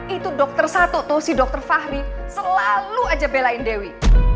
itu dokter satu tuh si dokter fahri selalu aja belain dewi